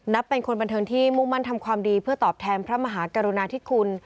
เป็นคนบันเทิงที่มุ่งมั่นทำความดีเพื่อตอบแทนพระมหากรุณาธิคุณ